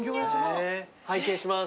拝見します。